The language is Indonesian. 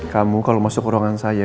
kamu kalau masuk ruangan saya